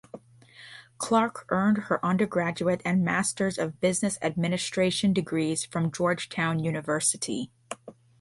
Clark earned her undergraduate and Masters of Business Administration degrees from Georgetown University.